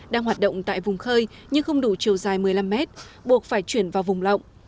đang hoạt động tại vùng khơi nhưng không đủ chiều dài một mươi năm mét buộc phải chuyển vào vùng lộng